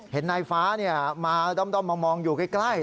เห็นนายฟ้ามาด้อมมองอยู่ใกล้